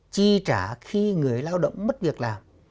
chi trả khi người lao động mất việc làm